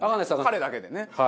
彼だけでね。